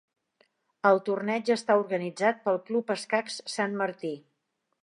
El torneig està organitzat pel Club Escacs Sant Martí.